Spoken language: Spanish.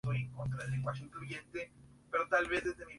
Actualmente compite en la Conference Premier.